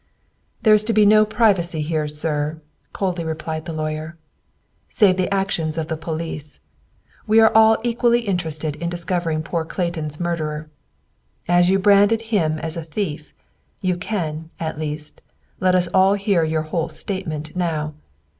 "There is to be no privacy here, sir," coldly replied the lawyer, "save the actions of the police. We are all equally interested in discovering poor Clayton's murderer. "As you branded him as a thief, you can, at least, let us all hear your whole statement now.